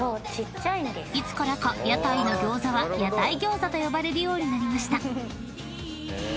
［いつからか屋台の餃子は屋台餃子と呼ばれるようになりました］